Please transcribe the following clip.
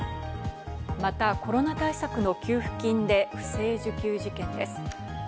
またコロナ対策の給付金で不正受給事件です。